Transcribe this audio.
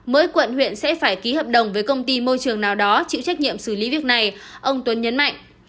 mỗi quận huyện sẽ phải ký hợp đồng với công ty môi trường nào đó chịu trách nhiệm xử lý việc này ông tuấn nhấn mạnh